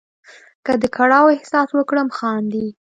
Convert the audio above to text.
که د کړاو احساس وکړم خاندې.